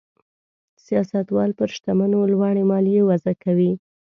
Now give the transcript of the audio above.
سیاستوال پر شتمنو لوړې مالیې وضع کوي.